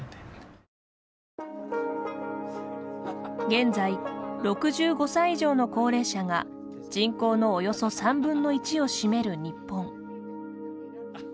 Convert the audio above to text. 現在、６５歳以上の高齢者が人口のおよそ３分の１を占める日本。